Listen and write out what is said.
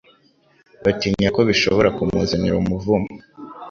batinya ko bishobora kumuzanira umuvumo